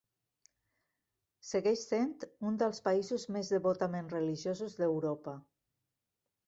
Segueix sent un dels països més devotament religiosos d'Europa.